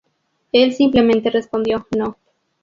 Él simplemente respondió, "No.